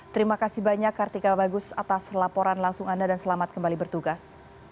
terima kasih banyak kartika bagus atas laporan langsung anda dan selamat kembali bertugas